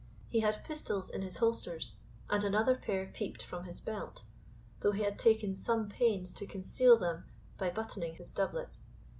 He had pistols in his holsters, and another pair peeped from his belt, though he had taken some pains to conceal them by buttoning his doublet.